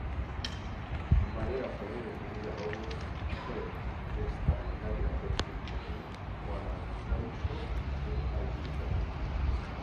María Rodríguez de Villalobos fue testamentaria de su sobrino Juan Alfonso de Alburquerque.